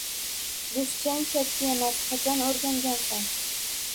— Ruschang chakki emas. Qachon o‘rgangansan?